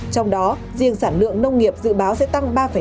trong đó riêng sản lượng nông nghiệp dự báo sẽ tăng ba năm